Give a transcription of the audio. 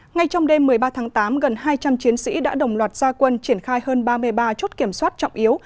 ngay trong đêm một mươi ba tháng tám gần hai trăm linh chiến sĩ đã đồng loạt gia quân triển khai hơn ba mươi ba chốt kiểm soát trọng yếu